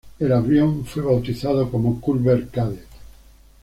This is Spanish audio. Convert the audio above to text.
El avión fue bautizado como Culver Cadet.